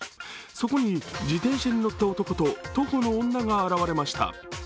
そこに自転車に乗った男と徒歩の女が現れました。